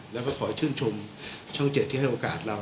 แล้วก็ขอชื่นชมช่อง๗ที่ให้โอกาสเรา